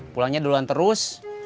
pulangnya duluan terus